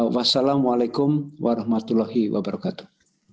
wassalamualaikum warahmatullahi wabarakatuh